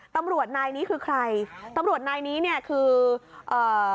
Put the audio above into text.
ตำรวจนายนี้คือใครตำรวจนายนี้เนี่ยคือเอ่อ